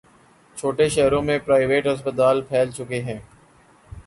چھوٹے شہروں میں پرائیویٹ ہسپتال پھیل چکے ہیں۔